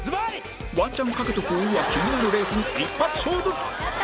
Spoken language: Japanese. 『＃ワンチャン賭けとくぅ？』は気になるレースに一発勝負！